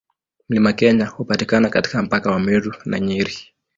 Mlima Kenya hupatikana katika mpaka wa Meru na Nyeri.